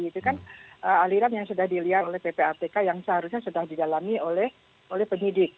itu kan aliran yang sudah dilihat oleh ppatk yang seharusnya sudah didalami oleh penyidik